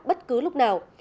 bất cứ lúc nào